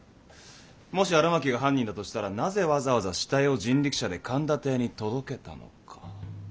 もし荒巻が犯人だとしたらなぜわざわざ死体を人力車で神田邸に届けたのか。